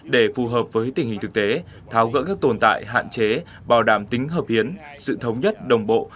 để phù hợp với tình hình thực tế tháo gỡ các tồn tại hạn chế bảo đảm tính hợp hiến sự thống nhất đồng bộ